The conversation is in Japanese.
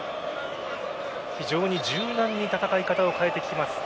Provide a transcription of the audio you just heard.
非常に柔軟に戦い方を変えてきます。